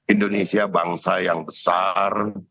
indonesia bangsa yang besar